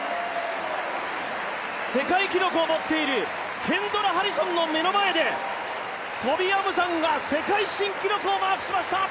世界記録を持っているケンドラ・ハリソンの目の前で、トビ・アムサンが世界新記録をマークしました！